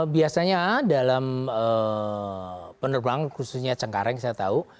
biasanya dalam penerbangan khususnya cengkareng saya tahu